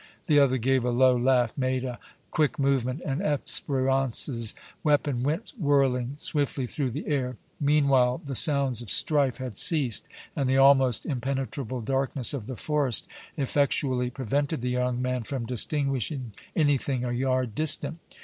The other gave a low laugh, made a quick movement and Espérance's weapon went whirling swiftly through the air. Meanwhile the sounds of strife had ceased, and the almost impenetrable darkness of the forest effectually prevented the young man from distinguishing anything a yard distant.